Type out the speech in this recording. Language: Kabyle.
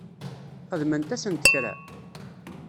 Xedment-asent kra?